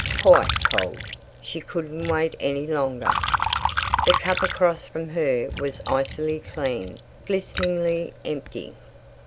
Quite cold. She couldn't wait any longer. The cup across from her was icily clean, glisteningly empty.